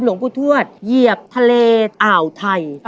หลวงปู่ทวดเหยียบทะเลอ่าวไทย